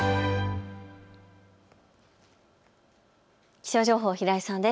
気象情報、平井さんです。